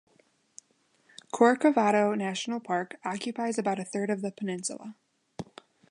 Corcovado National Park occupies about a third of the peninsula.